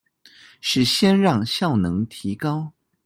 是先讓效能提高